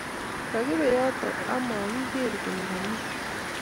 kakibe yoto ak makiger kole kamii